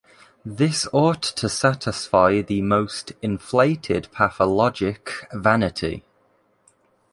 This ought to satisfy the most inflated pathologic vanity.